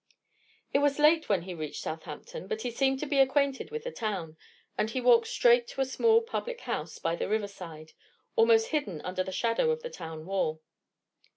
It was late when he reached Southampton; but he seemed to be acquainted with the town, and he walked straight to a small public house by the river side, almost hidden under the shadow of the town wall.